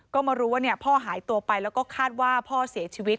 ก็มารู้ว่าพ่อหายตัวไปแล้วก็คาดว่าพ่อเสียชีวิต